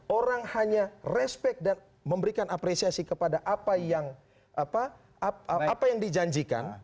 orang hanya respect dan memberikan apresiasi kepada apa yang dijanjikan